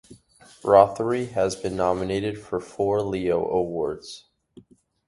Rothery has been nominated for four Leo Awards.